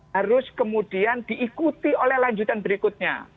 harus kemudian diikuti oleh lanjutan berikutnya